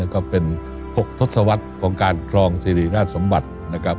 ก็เป็น๖ทศวรรษของการครองสิริราชสมบัตินะครับ